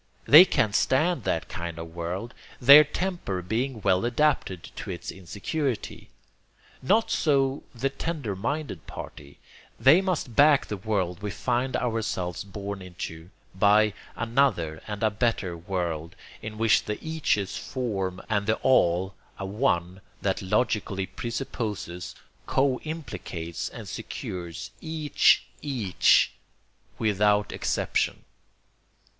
They can stand that kind of world, their temper being well adapted to its insecurity. Not so the tender minded party. They must back the world we find ourselves born into by "another and a better" world in which the eaches form an All and the All a One that logically presupposes, co implicates, and secures each EACH without exception.